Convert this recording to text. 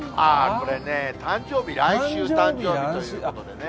これねぇ、誕生日、来週誕生日ということでね。